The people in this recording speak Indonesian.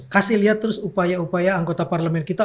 kasih lihat terus upaya upaya anggota parlemen kita